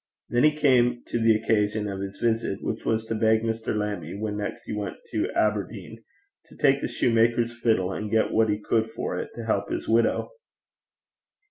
Then he came to the occasion of his visit, which was to beg Mr. Lammie, when next he went to Aberdeen, to take the soutar's fiddle, and get what he could for it, to help his widow.